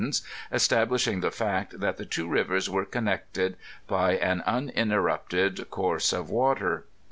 ance, establishing the feet that the two rivers were connected by an uninterrupted course of water.